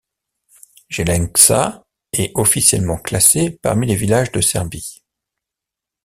Jelenča est officiellement classée parmi les villages de Serbie.